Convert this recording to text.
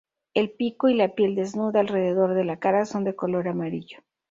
El pico y la piel desnuda alrededor de la cara son de color amarillo.